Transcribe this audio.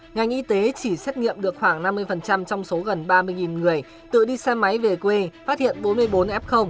ngành y tế chỉ xét nghiệm được khoảng năm mươi trong số gần ba mươi người tự đi xe máy về quê phát hiện bốn mươi bốn f